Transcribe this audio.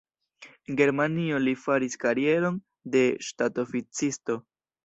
En Germanio li faris karieron de ŝtatoficisto.